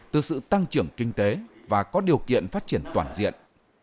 từ sự tăng trưởng kinh tế và có điều kiện phát triển toàn diện